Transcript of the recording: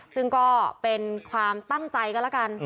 ซึ่งก็เป็นความตั้งใจกันแล้วกัน